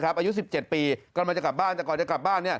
อายุ๑๗ปีกำลังจะกลับบ้านแต่ก่อนจะกลับบ้าน